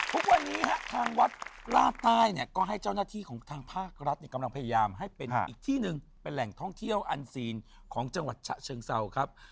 ทุกวันนี้ฮะทางวัดราบใต้เนี่ยก็ให้เจ้าหน้าที่ของทางภาครัฐเนี่ยกำลังพยายามให้เป็นอีกที่หนึ่งเป็นแหล่งท่องเที่ยวอันซีนของจังหวัดฉะเชิงเศร้าครับ